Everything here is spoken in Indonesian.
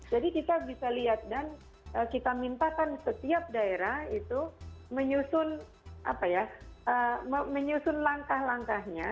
jadi kita bisa lihat dan kita mintakan setiap daerah itu menyusun langkah langkahnya